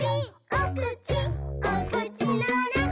おくちおくちのなかに」